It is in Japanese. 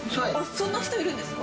そんな人いるんですか？